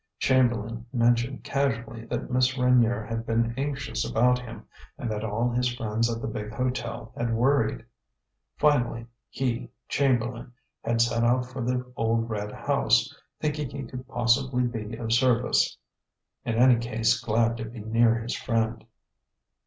Chamberlain mentioned casually that Miss Reynier had been anxious about him, and that all his friends at the big hotel had worried. Finally, he, Chamberlain, had set out for the old red house, thinking he could possibly be of service; in any case glad to be near his friend.